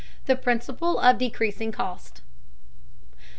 THE PRINCIPLE OF DECREASING COST.